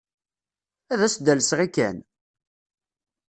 Ad as-d-alseɣ i Ken?